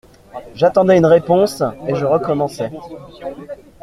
J’attendais une réponse et je recommençais.